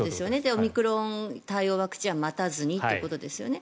オミクロン対応ワクチンは待たずにということですよね。